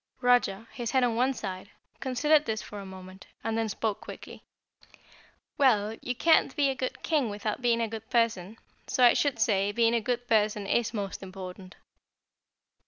Roger, his head on one side, considered this for a moment and then spoke quickly. "Well, you can't be a good King without being a good person, so I should say, being a good person is most important."